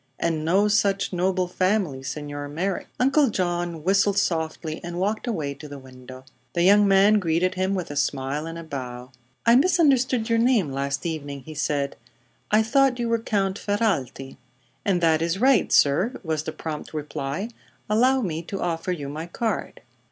"And no such noble family, Signor Merrick." Uncle John whistled softly and walked away to the window. The young man greeted him with a smile and a bow. "I misunderstood your name last evening," he said. "I thought you were Count Ferralti." "And that is right, sir," was the prompt reply. "Allow me to offer you my card."